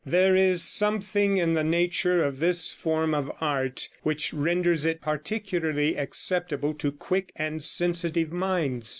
There is something in the nature of this form of art which renders it particularly acceptable to quick and sensitive minds.